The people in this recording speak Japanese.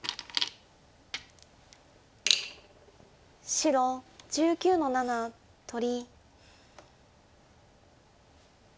白１９の七取り。